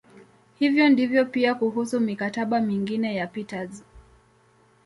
Hivyo ndivyo pia kuhusu "mikataba" mingine ya Peters.